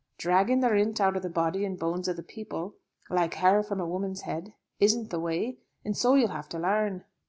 Dragging the rint out o' the body and bones o' the people, like hair from a woman's head, isn't the way, and so you'll have to larn."